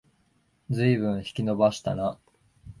ずいぶん引き延ばしたな